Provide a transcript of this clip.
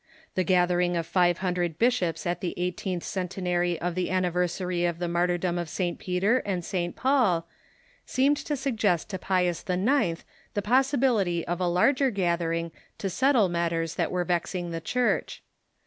The gathering of five hundred bishops at the eighteenth centenary of the anniversary of the martyrdom of St. Peter and St. Paul seemed to suggest to Pius IX. the possibility of a larger gathering to settle matters that were vexing the Church.